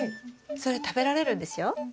それ食べられるんですよ。